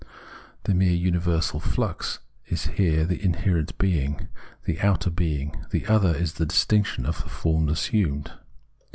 The mere universal flux is here the inherent being; the outer being, the *' other," is the distinction of the forms assumed.